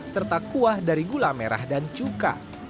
serta kuah dari gula merah dan cuka